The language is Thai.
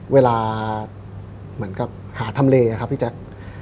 เวลาเหมือนกับหาทำเลอครับพี่แจ๊ค